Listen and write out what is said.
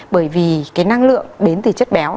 bởi vì cái năng lượng đến từ chất béo